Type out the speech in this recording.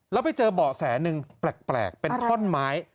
แล้วไปเจอเบาะแสหนึ่งแปลกเป็นท่อนไม้